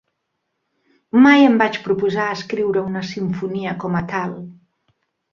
Mai em vaig proposar escriure una simfonia com a tal.